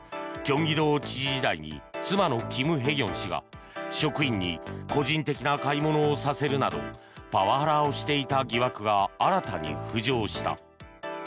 京畿道知事時代に妻のキム・ヘギョン氏が職員に個人的な買い物をさせるなどパワハラをしていた疑惑が新たに浮上した。